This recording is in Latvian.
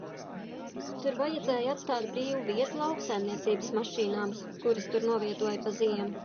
Tur vajadzēja atstāt brīvu vietu lauksaimniecības mašīnām, kuras tur novietoja pa ziemu.